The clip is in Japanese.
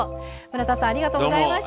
村田さんありがとうございました。